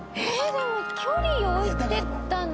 でも距離を置いてたのは。